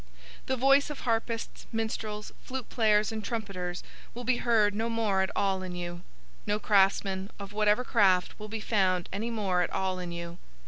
018:022 The voice of harpists, minstrels, flute players, and trumpeters will be heard no more at all in you. No craftsman, of whatever craft, will be found any more at all in you.